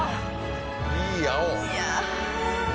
いい青！